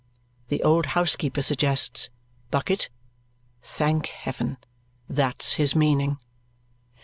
The old housekeeper suggests Bucket. Thank heaven! That's his meaning. Mr.